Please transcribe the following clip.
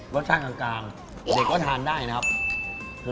ข้างกลางเด็กก็ทานได้นะครับ